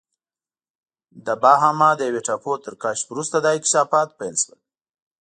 د باهاما د یوې ټاپو تر کشف وروسته دا اکتشافات پیل شول.